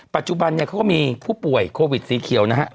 ปัจจุบันเนี่ยเขาก็มีผู้ป่วยโควิดสีเขียวนะฮะ